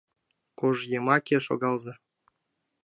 Кож йымаке шогалза.